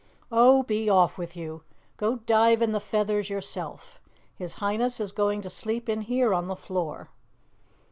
"Oh, be off with you. Go dive in the feathers yourself. His Highness is going to sleep in here on the floor."